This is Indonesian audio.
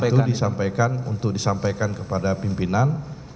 itu disampaikan untuk disampaikan kepada pimpinan